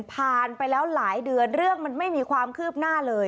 ผ่านไปแล้วหลายเดือนเรื่องมันไม่มีความคืบหน้าเลย